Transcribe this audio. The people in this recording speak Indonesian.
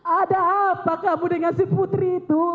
ada apa kamu dengan si putri itu